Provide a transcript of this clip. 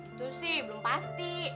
itu sih belum pasti